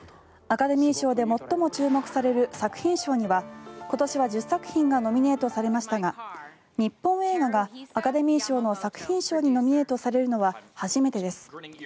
アカデミー賞で最も注目される作品賞には今年は１０作品がノミネートされましたが日本映画がアカデミー賞の作品賞にノミネートされるのは初めてです。